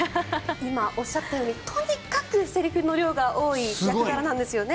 今、おっしゃったようにとにかくセリフの量が多い役柄なんですよね。